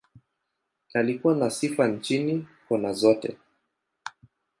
Alikuwa na sifa nchini, kona zote.